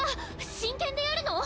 真剣でやるの！？